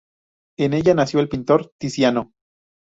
En ella nació el pintor Tiziano.